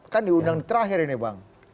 kan diundang terakhir ini bang